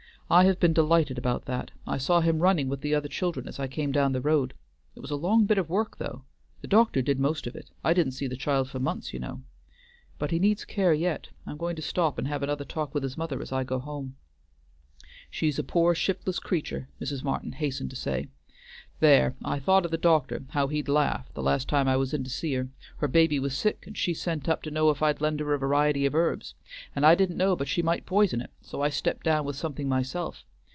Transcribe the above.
"I have been delighted about that. I saw him running with the other children as I came down the road. It was a long bit of work, though. The doctor did most of it; I didn't see the child for months, you know. But he needs care yet; I'm going to stop and have another talk with his mother as I go home." "She's a pore shiftless creature," Mrs. Martin hastened to say. "There, I thought o' the doctor, how he'd laugh, the last time I was in to see her; her baby was sick, and she sent up to know if I'd lend her a variety of herbs, and I didn't know but she might p'isen it, so I stepped down with something myself.